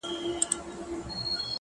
ژوند مي هيڅ نه دى ژوند څه كـړم;